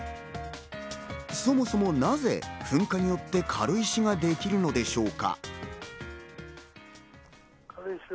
そもそもなぜ噴火によって軽石ができるのでしょうか。